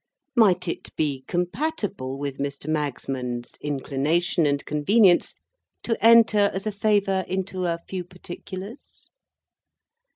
Might it be compatible with Mr. Magsman's inclination and convenience to enter, as a favour, into a few particulars?